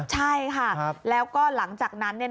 ใช่ค่ะแล้วก็หลังจากนั้น